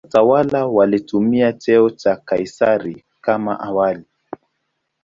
Watawala walitumia cheo cha "Kaisari" kama awali.